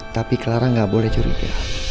tapi clara nggak boleh curiga